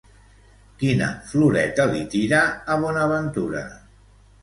Quina floreta li tira a Bonaventura?